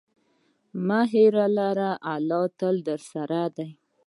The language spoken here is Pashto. مه ویره لره، الله تل درسره دی.